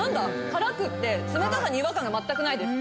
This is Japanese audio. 辛くって冷たさに違和感が全くないです。